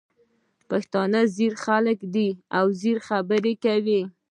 پښتانه ځيږه خلګ دي او ځیږې خبري کوي.